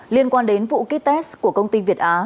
liên quan đến vụ ký test của công ty việt á